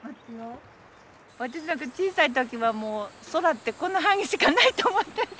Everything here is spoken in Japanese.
私なんか小さい時はもう空ってこの範囲しかないと思ってた。